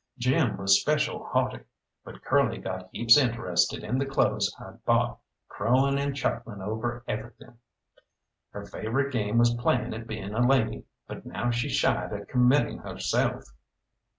Jim was special haughty, but Curly got heaps interested in the clothes I'd bought, crowing and chuckling over everything. Her favorite game was playing at being a lady, but now she shied at committing herself.